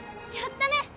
やったね！